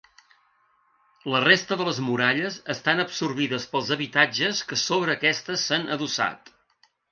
La resta de les muralles estan absorbides pels habitatges que sobre aquestes s’han adossat.